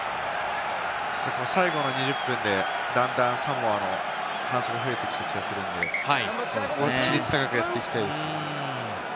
最後の２０分で段々サモアの反則が増えてきた気がするんで、規律高くやっていきたいですね。